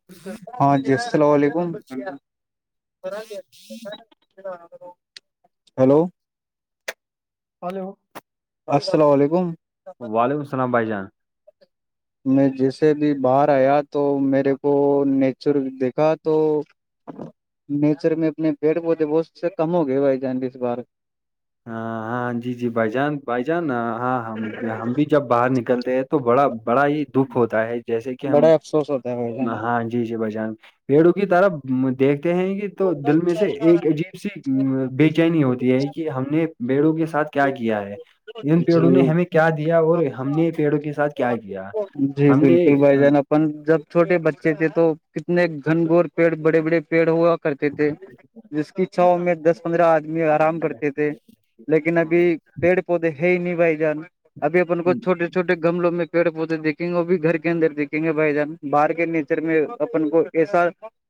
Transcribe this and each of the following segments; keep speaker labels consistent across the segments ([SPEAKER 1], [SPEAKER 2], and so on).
[SPEAKER 1] [inaudible]
[SPEAKER 2] ہاں جی السلام علیکم ہیلو
[SPEAKER 1] ہیلو
[SPEAKER 2] السلام علیکم
[SPEAKER 1] وعلیکم السلام بھائی جان
[SPEAKER 2] میں جیسے بھی باہر آیا تو میرے کو نیچر دیکھا تو نیچر میں اپنے پیڑ پودے بہت سے کم ہو گئے بھائی جان اس بار
[SPEAKER 1] ہاں ہاں جی جی بھائی جان بائی جان ہاں ہم بھی جب باہر نکلتے ہیں تو بڑا بڑا ہی دکھ ہوتا ہے جیسے کہ ہم
[SPEAKER 2] بڑا افسوس ہوتا ہے بھائی جان
[SPEAKER 1] ہاں جی جی ب جان پیڑوں کی طرف دیکھتے ہیں کہ تو دل میں سے ایک عجیب سی بے چینی ہوتی ہے کہ ہم نے بیڑوں کے ساتھ کیا کیا ہے ان پیڑوں نے
[SPEAKER 2] جی
[SPEAKER 1] ہمیں کیا دیا اور ہم نے پیڑوں کے ساتھ کیا کیا
[SPEAKER 2] جی
[SPEAKER 1] ہم نے
[SPEAKER 2] بالکل بھائی جان جب چھوٹے بچے تھے تو کتنے گھن گور پیڑ بڑے بڑے پیڑ ہوا کرتے تھے جس کی چاؤ میں دس پندرہ آدمی آرام کرتے تھے لیکن ابھی پیڑ پودے ہے ہی نہیں بھائی جان ابھی اپن کو چھوٹے چھوٹے گملوں میں پیڑے پودے دیکھیں گے وہ بھی گھر کے اندر دیکھیں گے بھائی جان باہر کے نیچر میں اپن کو ایسا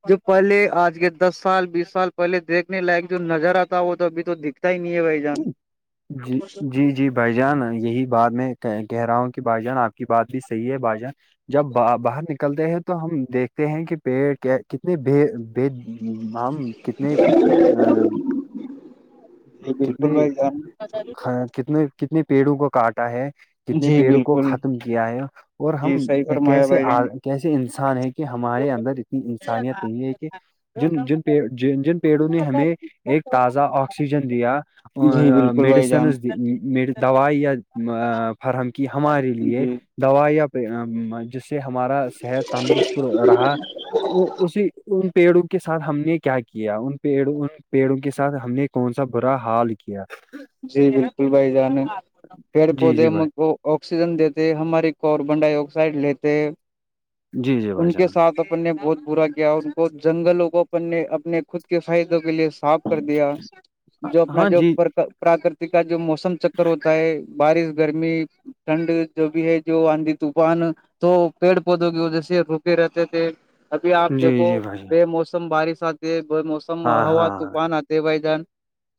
[SPEAKER 2] جو پہلے آج کے دس سال بیس سال پہلے دیکھنے لائق جو نظر آتا وہ تو ابھی تو دکھتا ہی نہیں ہے بھائی جان
[SPEAKER 1] جی جی جی بھائی جان یہی بات میں کہہ رہا ہوں کہ بھائی جان آپ کی بات بھی صحیح ہے بھائی جان جب باہر نکلتے ہیں تو ہم دیکھتے ہیں کہ پیڑ کتنے ب ب ہم کتنے
[SPEAKER 2] جی بالکل
[SPEAKER 1] کتنے
[SPEAKER 2] بھائی جان
[SPEAKER 1] کتنے کتنے پیڑوں کو کاٹا ہے جتنے
[SPEAKER 2] جی
[SPEAKER 1] پیڑوں کو
[SPEAKER 2] بالکل
[SPEAKER 1] ختم کیا ہے اور ہم
[SPEAKER 2] جی صحیح فرمایا
[SPEAKER 1] کیسے
[SPEAKER 2] بھائی جان
[SPEAKER 1] کیسے انسان ہے کہ ہمارے اندر انسانیت یہی ہے کہ جن جن جن پیڑوں نے ہمیں ایک تازہ اور آکسیجن دیا
[SPEAKER 2] جی بالکل بھائی جان
[SPEAKER 1] میڈیسنز دوائی یا فراہم کی ہمارے لیے
[SPEAKER 2] جی
[SPEAKER 1] دوا یا جس سے ہمارا صحت تندرست رہا اور اسی ان پیڑوں کے سھ ہم نے کیا ان پڑوں ان پیڑوں کے ساتھ ہم نے کون سا برا حال کیا
[SPEAKER 2] جی بالکل بھائی جانے پیڑ
[SPEAKER 1] جی
[SPEAKER 2] پودے
[SPEAKER 1] جی بھائی
[SPEAKER 2] م کو آکسیجن دیتے ہماری کاربن ڈائی آکسائڈ لیتے
[SPEAKER 1] جی جی بھائی
[SPEAKER 2] ان کے
[SPEAKER 1] جان
[SPEAKER 2] ساتھ اپن نے بہت برا کیا ان کو جنگلوں کو اپنے اپنے خود کے فائدوں کے لیے صاف کر دیا جو اپنا
[SPEAKER 1] ہاں
[SPEAKER 2] جو
[SPEAKER 1] جی
[SPEAKER 2] پراکرت کا جو موسم چکر ہوتا ہے بارش گرمی ٹھنڈ جو بھی ہے جو آندھی طوفان تو پیڑ پودوں کی وجہ سے رکے رہتے تھے ابھی آپ
[SPEAKER 1] جی
[SPEAKER 2] دیکھو
[SPEAKER 1] جی بھائی جان
[SPEAKER 2] بے موسم بارش آتی ہے بے موسم
[SPEAKER 1] ہاں
[SPEAKER 2] ہا
[SPEAKER 1] ہاں
[SPEAKER 2] طوفان آتے بھائی جان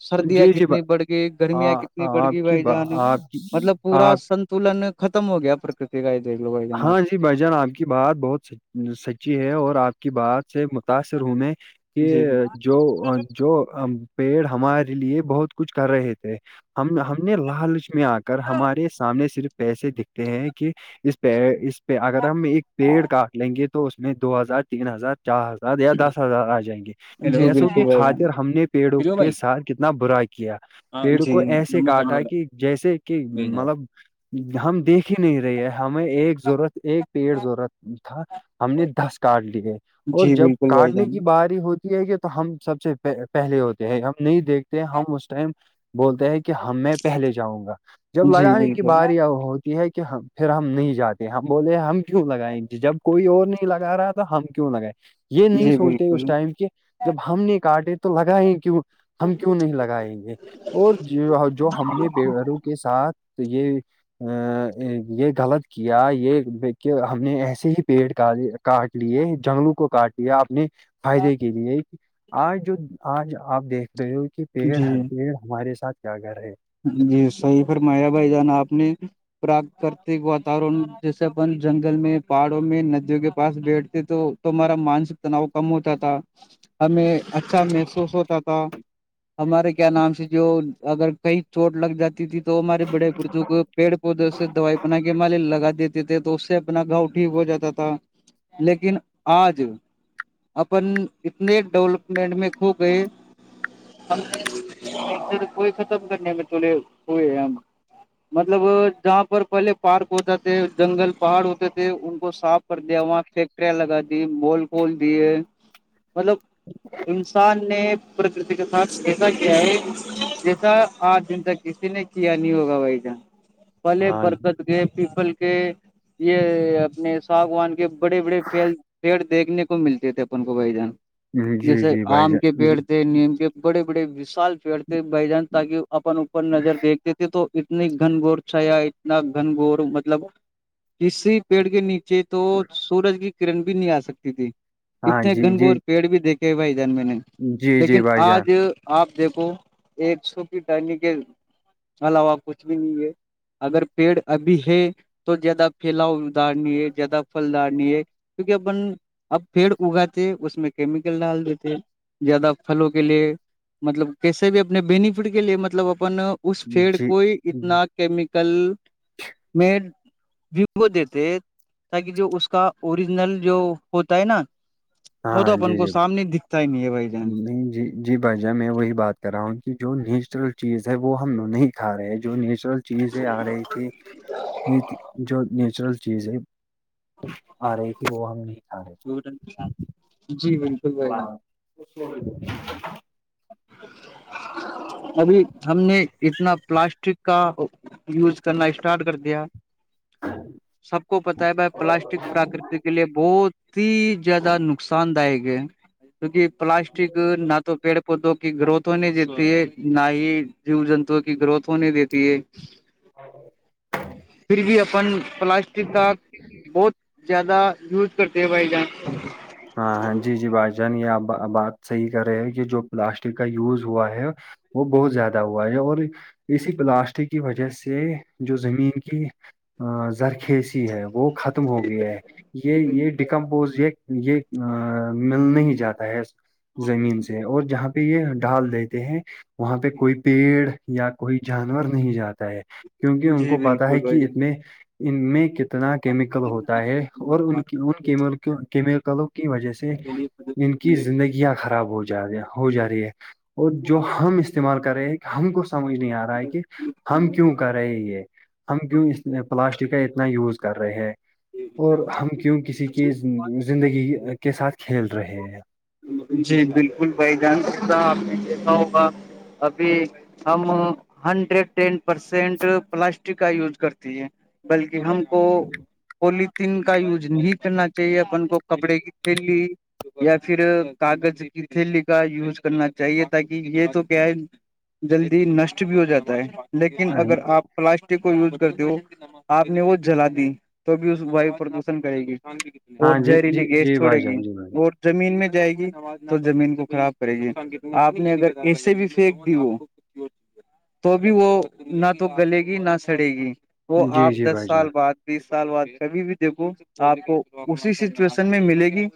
[SPEAKER 2] سردیاں
[SPEAKER 1] جی جی
[SPEAKER 2] کتنی بڑھ گئی گرمیاں
[SPEAKER 1] ہاں
[SPEAKER 2] کتنی بڑھ گئی
[SPEAKER 1] آپ کی
[SPEAKER 2] بھائی جان
[SPEAKER 1] آپ کی
[SPEAKER 2] مطلب پورا
[SPEAKER 1] آپ
[SPEAKER 2] سنت تلن ختم ہو گیا پرکرتی کا دیکھ لوگ جان آپ
[SPEAKER 1] بھ جان آپ کی بات بہت سچی ہے اور آپ کی بات سے متاثر ہوں میں کہ
[SPEAKER 2] جی
[SPEAKER 1] جو جو پیڑ ہمارے لیے بہت کچھ کر رہے تھے ہم ہم نے لالچ میں آ کر ہمارے سامنے صرف پسے دکھتے ہیں کہ پ اس پہ اگر ہم ایک پیڑ کاٹ لیں گے تو اس میں دو ہزار تین ہزار چار ہزار یا دس ہزار آ جائیں گے
[SPEAKER 2] جی
[SPEAKER 1] پیسوں
[SPEAKER 2] بالکل
[SPEAKER 1] کی
[SPEAKER 2] بھائی جان
[SPEAKER 1] خاطر ہم نے پیڑوں
[SPEAKER 2] فری ہو
[SPEAKER 1] کے
[SPEAKER 2] بھائی
[SPEAKER 1] ساتھ کتنا برا کیا
[SPEAKER 2] ہاں
[SPEAKER 1] پیڑ کو ایسے
[SPEAKER 2] نمبر سینڈ
[SPEAKER 1] کاٹا
[SPEAKER 2] کر
[SPEAKER 1] کہ جیسے کہ
[SPEAKER 2] بھیجا ہے
[SPEAKER 1] مطلب ہم دیکھ ہی نہیں رہے ہے ہمیں ایک ضرورت ایک پیڑ ضورت تھا ہم نے دس کاٹ لیے اور
[SPEAKER 2] جی
[SPEAKER 1] جب
[SPEAKER 2] بالکل بھائی
[SPEAKER 1] کاٹنے
[SPEAKER 2] جان
[SPEAKER 1] کی باری ہوتی کہ تو ہم سب سے پہلے ہوتے ہیں ہم نہیں دیکھتے ہم اس ٹائم بولتے ہیں کہ ہم میں پہلے جاؤں گا جب
[SPEAKER 2] جی
[SPEAKER 1] لگانے کی
[SPEAKER 2] بالکل
[SPEAKER 1] باری ہوتی ہے کہ پھر ہم نہیں جاتے ہم بولتے ہم کیوں لگائے جب کوئی اور نہیں لگا رہا تو ہم کیوں لگائے یہ نہیں
[SPEAKER 2] جی
[SPEAKER 1] سوچتے
[SPEAKER 2] بالکل
[SPEAKER 1] اس ٹائم کہ جب ہم نے کاٹے تو لگاے کیوں ہم کیوں نہیں لگائیں گے اور جو ہم نے پیڑوں کے ساتھ یہ یہ غلط کیا یہ کہ ہم نے ایسے ہی پیڑ کاٹ لیے جنگلوں کو کاٹ لیے آپنے فائدے کے لیے آج جو آج آپ دیکھ رہے ہو کہ پیڑ
[SPEAKER 2] جی
[SPEAKER 1] پیڑ ہمارے ساتھ کیا کر رہے ہے
[SPEAKER 2] جی صحیح فرمایا بھائی جانا آپ نے پراکرتک واتورن جیسے اپن جنگل میں پہاڑوں میں ندیوں کے پاس بیٹھتے تو تو ہمارا مانسک تناؤ کم ہوتا تھا ہمیں اچھا محسوس ہوتا تھا ہمارے کیا نام سے جو اگر کہیں چوٹ لگ جاتی تھی تو ہمارے بڑے بزرگ پیڑ پودوں سے دوائی بنا کے ہمارے لگا دیتے تھے تو اس سے اپنا گاؤ ٹھیک ہو جاتا تھا لیکن آج اپن اتنے ڈولپمنٹ میں کھو گئے [unintelligible] مطلب جہاں پر پہلے پارک ہوتا تھے جنگل پہاڑ ہوتے تھے ان کو صاف کر دیا وہاں فیکٹریاں لگا دی مول کھول دیے مطلب انسان نے پرکرتی کا ساتھ ایسا کیا ہے سر آٹھ دن تک کسی نے کیا نہیں ہوگا بھائی جان پھلے
[SPEAKER 1] ہاں
[SPEAKER 2] برکز کے پیپل کے یہ اپنے ساگوان کے بڑے بڑے پھیل پیڑ دیکھنے کو ملتے تھے اپن کو بھائی جان
[SPEAKER 1] جی
[SPEAKER 2] جیسے
[SPEAKER 1] جی بھائی
[SPEAKER 2] آم کے
[SPEAKER 1] جان جی،
[SPEAKER 2] پیڑ تھے نیم کے بڑے بڑے وشال پیڑ تھے بھائی جان تاکہ اپن اوپر نظر دیکھتے تو اتنی گھن گھور چھایا اتنا گھن گور مطلب کسی پیڑ کے نیچے جی تو سورج کی کرن بھی نہیں آ سکتی تھی
[SPEAKER 1] ہاں
[SPEAKER 2] اتنے
[SPEAKER 1] جی جی
[SPEAKER 2] گھنگور پیڑ بھی دیکھے ہہ بھائی جان میں نے
[SPEAKER 1] جی
[SPEAKER 2] لیکن
[SPEAKER 1] جی بھائی جان
[SPEAKER 2] آج آپ دیکھو ایک سو ڈرنے کے علاوہ کچھ بھی نہیں ہے اگر پیڑ ابھی ہے تو زیادہ پھیلاؤ دار نہیں ہے زیادہ پھلدار نہیں ہے کیونکہ اپن اب پھر اگاتے اس میں کیمیکل ڈال دیتے زیادہ پھلوں کے لیے مطلب کیسے بھی اپنے بینفٹ کے لیے مطلب اپ اس فیڈ
[SPEAKER 1] جی
[SPEAKER 2] کو ہی اتنا کیمیکل میں ویو دیتے تاکہ جو اس کا اوریجنل جو ہوتا ہے نا وہ تو
[SPEAKER 1] ہاں
[SPEAKER 2] اپن
[SPEAKER 1] جی
[SPEAKER 2] کو
[SPEAKER 1] جی
[SPEAKER 2] سامنے دکھتا ہی نہیں ہے بھائی جان
[SPEAKER 1] نہیں جی جی بھائی جان میں وہی بات کر رہا ہوں کہ جو نیچرل چیز ہے وہ ہم لوگ نہیں کھا رہے ہیں جو نیچرل رل چیز یہ آ رہی تھی جو نیچرل چیزیں آ رہی تھی وہ ہم نہیں کھا رہے تھے
[SPEAKER 2] جی بلکل
[SPEAKER 1] [inaudible]
[SPEAKER 2] ابھی ہم نے اتنا پلاسٹک کا یوز کرنا اسٹارٹ کر دیا سب کو پتا ہے بھائی پلاسٹک پراکرتی کے لیے بہت ہی زیادہ نقصان دائک ہے کیونکہ پلاسٹک نہ تو پیڑ پودوں کی گروتھ ہونے دیتی ہے نہ ہی جیو جنتو کی گروتھ ہونے دیتی ہے پھر بھی اپن پلاسٹک کا بہت زیادہ یوز کرتے ہیں بھائی جان
[SPEAKER 1] علیکم ہاں ہاں جی جی بھائی جان یہ آپ بات صحیح کر رہے ہیں کہ جو پلاسٹک کا یوز ہوا ہے وہ بہت زیادہ ہوا ہے اور اسی پلاسٹک کی وجہ سے جو زمین کی زر کھیسی ہے وہ ختم ہو گیا ہے یہ
[SPEAKER 2] جی
[SPEAKER 1] یہ
[SPEAKER 2] بالکل بھائی جان
[SPEAKER 1] ڈیکمپوز یہ یہ مل نہیں جاتا ہے زمین سے اور جہاں پہ یہ ڈال دیتے ہیں وہاں پہ کوئی پیڑ یا کوئی جانور نہیں جاتا ہے کیونکہ ان
[SPEAKER 2] جی
[SPEAKER 1] کو پتا
[SPEAKER 2] بالکل
[SPEAKER 1] ہے
[SPEAKER 2] بھائی
[SPEAKER 1] کہ
[SPEAKER 2] جان
[SPEAKER 1] ان میں اتنا
[SPEAKER 2] آپ
[SPEAKER 1] کیمیکل ہوتا ہے اور ان ان کیمل کیمیکلوں کی وجہ سے ان کی زندگیاں خراب ہو جا ہو جا رہی ہے اور جو ہم استعمال کر رہے ہیں ہم کو سمجھ نہیں آ رہا ہے کہ ہم کیوں کر رہے یہ ہم کیوں اس پلاسٹک کا اتنا یوز کر رہے ہیں اور ہم کیوں کسی چیز زندگی کے ساتھ کھیل رہے ہیں
[SPEAKER 2] جی بالکل بھائی جان سکتا آپ نے دیکھا ہوگا ابھی ہم ہنڈریڈ ٹین پرسینٹ پلاسٹک کا یوز کرتی ہے بلکہ ہم کو پولیتین کا یوز نہیں کرنا چاہیے اپن کو کپڑے کی پھیلی یا پھر کاغذ لے کھا یوز کرنا چاہیے تاکہ یہ تو کیا ہے جلدی نشٹ بھی ہو جاتا ہے لیکن
[SPEAKER 1] ہاں
[SPEAKER 2] اگر آپ پلاسٹک کو یوز کرتے ہو آپ نے وہ جلا دی تو بھی اس ویو پردوشن کرے گی اور
[SPEAKER 1] ہاں، جی
[SPEAKER 2] زہریلی
[SPEAKER 1] جی
[SPEAKER 2] گیس
[SPEAKER 1] جی
[SPEAKER 2] چھوڑے
[SPEAKER 1] بھائی
[SPEAKER 2] گی
[SPEAKER 1] جان جی بھائی
[SPEAKER 2] اور زمین میں جائے گی تو زمین کو خراب کرے گی آپ نے اگر ایسے بھی پھینک دی ہو تو بھی وہ نہ تو گلے گی نہ سڑے گی وہ
[SPEAKER 1] جان جی
[SPEAKER 2] آپ
[SPEAKER 1] جی
[SPEAKER 2] دس
[SPEAKER 1] بھائی جان
[SPEAKER 2] سال بعد بیس سال بد کبھی بھی دیکھو آپ کو اسی سچویشن میں ملے گی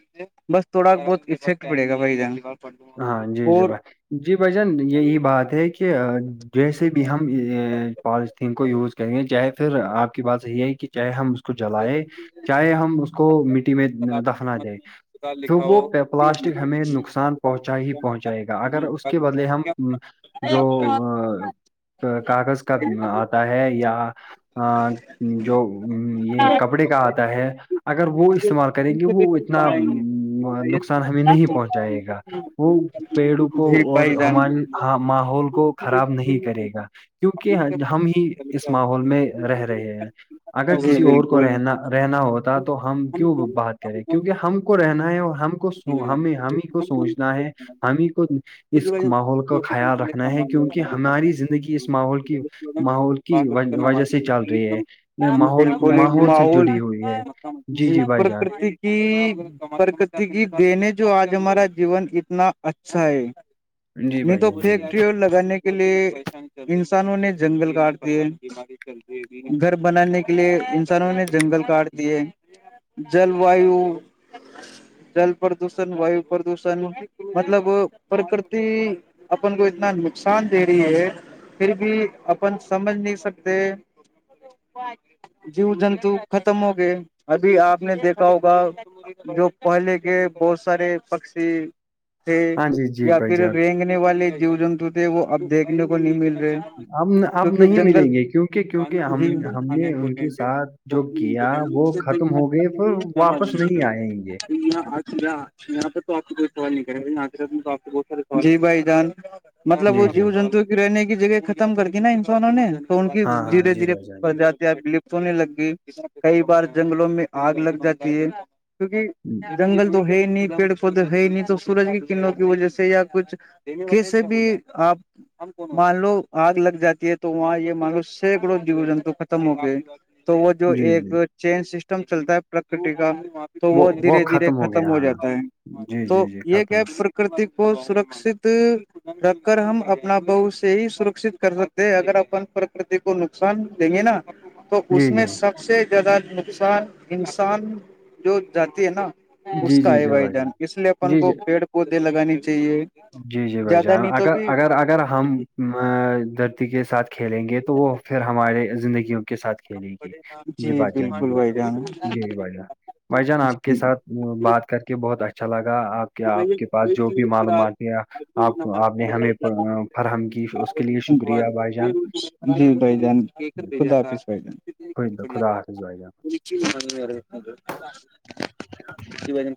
[SPEAKER 2] بس تھوڑا بہت افیکٹ پڑے گا بھائی جان
[SPEAKER 1] ہاں جی جی
[SPEAKER 2] اور
[SPEAKER 1] بھائی جی بھائی جان یہی بات ہے کہ جیسے بھی ہم پالیتھیین کو یوز کریں گے چاہے پھر آپ کی بات یہی ہے کہ چاہے ہم اس کو جلیں چاہے ہم اس کو مٹی میں
[SPEAKER 2] خلاف
[SPEAKER 1] دفنا
[SPEAKER 2] خدمت
[SPEAKER 1] دیں
[SPEAKER 2] میں خدا
[SPEAKER 1] تو
[SPEAKER 2] لکھا
[SPEAKER 1] وہ
[SPEAKER 2] ہو
[SPEAKER 1] پلاسٹک ہمیں نقصان پہنچا ہی پہنچائے گا اگر اس کے بدلے ہم جو کاغذ کا آتا ہے یا جو یہ کپڑے کا آتا ہے اگر وہ اس استعمال کریں گے وہ اتنا
[SPEAKER 2] کمائیں گے
[SPEAKER 1] نقصان ہمیں نہیں پہنچائے گا وہ پیڑوں کو
[SPEAKER 2] جی
[SPEAKER 1] اور
[SPEAKER 2] بھائی جان
[SPEAKER 1] ہماری ماحول کو
[SPEAKER 2] جی
[SPEAKER 1] خراب نہیں کرے گا کیونکہ ہم ہی اس ماحول میں رہ رہے ہیں اگر کسی اور کو
[SPEAKER 2] بالکل
[SPEAKER 1] رہنا رہنا ہوتا تو ہم کیوں بات کریں کیونکہ ہم کو رہنا ہے اور ہم کو ہم ہم ہی کو سوچ نہ ہے ہم ہی کو اس ماحول کا خیال رکھنا ہے کیونکہ ہماری زندگی اس ماحول کی ماحول کی وجہ سے چل رہی ہے یہ ماحول
[SPEAKER 2] بالکل ہی
[SPEAKER 1] ماحول سے
[SPEAKER 2] محول
[SPEAKER 1] جڑی ہوئی ہے
[SPEAKER 2] جی پرک کی پرکتی کی دنے جو آج ہمارا جیون اتنا اچھا ہے
[SPEAKER 1] جی
[SPEAKER 2] نہیں
[SPEAKER 1] بھائی
[SPEAKER 2] تو
[SPEAKER 1] جان جی بھائی
[SPEAKER 2] فیکٹری
[SPEAKER 1] جان
[SPEAKER 2] اور لگانے کی کے لیے انسانوں نے جنگل کاٹ دی گھر بنانے کے لیے انسانوں نے جنگل کاٹ دیے جل ویو جل پردوشن ویو پردوشن مطلب پرکرتی اپن کو اتنا نقصان دے رہی ہے پھر بھی اپن سمجھ نہیں سکتے جیو جنتو ختم ہو گئے ابھی آپ نے دیکھا ہوگا جو پہلے کے بہت سارے پکشی تھے
[SPEAKER 1] ہاں جی جی
[SPEAKER 2] یا
[SPEAKER 1] بھائی
[SPEAKER 2] پھر
[SPEAKER 1] جان
[SPEAKER 2] رینگنے والے جیو جنتو تھے وہ اب دیکھنے کو نہیں مل رہے
[SPEAKER 1] اب اب
[SPEAKER 2] کیونکہ
[SPEAKER 1] نہیں
[SPEAKER 2] جنگل
[SPEAKER 1] ملیں گے کیونکہ کیونکہ ہم
[SPEAKER 2] جی
[SPEAKER 1] ہم نے ان کے ساتھ جو کیا وہ خت ت ہوگئے پ واپس نہیں آئےیں گے
[SPEAKER 2] آچا یہاں پہ تو آپ کو بہت سوال نہیں کرے باں تو آپ بہت سارے سال ج بھائی جان مطلب وہ
[SPEAKER 1] جی جی
[SPEAKER 2] جیو جنتو کی رہنے کی جگہ ختم کرتی نا انسانوں نے تو ان کی
[SPEAKER 1] ہاں ہاں
[SPEAKER 2] دھیرے
[SPEAKER 1] جی بھائی جان
[SPEAKER 2] دھیرےات لپت ہونے لگ گئی کئی بار جنگلوں میں آگ لگ جاتی ہے کیونکہ
[SPEAKER 1] ہوں
[SPEAKER 2] جنگل تو ہے ہی نہیں پیڑ پودے ہے ہی نہیں تو سورج کی کنوں کی وجہ سے یا کچھ کیسے بھی آپ مان لو آگ لگ جاتی ہے تو وہاں یہ مان لو سینکڑوں جو جنتو ختم ہو گئے تو وہ جو
[SPEAKER 1] جی جی
[SPEAKER 2] ایک
[SPEAKER 1] جی
[SPEAKER 2] چین سسٹم چلتا ہے پرکرتی کا تو وہ دھیرے دھیرے ختم ہو جاتا ہے
[SPEAKER 1] جی
[SPEAKER 2] تو
[SPEAKER 1] جی جی
[SPEAKER 2] یہ
[SPEAKER 1] ختم
[SPEAKER 2] گپ کتی کو سرکشت رکھ کر ہم اپنا بہ سے ہی سرکشت کر سکتے ہیں اگر اپ پرکرت کو نقصان دیں گے نا تو
[SPEAKER 1] جی
[SPEAKER 2] اس میں
[SPEAKER 1] جی
[SPEAKER 2] سب سے زیادہ نقصان انسان جو جاتی ہے نا اس
[SPEAKER 1] جی
[SPEAKER 2] کا
[SPEAKER 1] جی
[SPEAKER 2] ہے
[SPEAKER 1] جی بھائی
[SPEAKER 2] وائیدان
[SPEAKER 1] جان
[SPEAKER 2] اس لیے اپن
[SPEAKER 1] جی
[SPEAKER 2] کو
[SPEAKER 1] جی
[SPEAKER 2] پیڑ پودے لگانے چاہیے
[SPEAKER 1] جی جی بھائی
[SPEAKER 2] زیادہ
[SPEAKER 1] جان
[SPEAKER 2] نہیں تو
[SPEAKER 1] اگر
[SPEAKER 2] بھی
[SPEAKER 1] اگر اگر ہم دھرتی کے ساتھ کھیلیں گے تو وہ پھر ہمارے زندگیوں کے ساتھ کھیلے گی جی بھائی جان
[SPEAKER 2] بالکل بھائی جان
[SPEAKER 1] جی بھائی جان بھائی جان آپ کے
[SPEAKER 2] جی
[SPEAKER 1] ساتھ بات کر کے بہت اچھا لگا آپ کے آپ کے پاس جو بھی معلومات آپ کو آپ نے ہمیں فراہم کی اس کے لیے شکریہ بھائی جان
[SPEAKER 2] جی بھائی جان خدا حافظ بھ جان
[SPEAKER 1] خودد خدا حاائے
[SPEAKER 2] انی م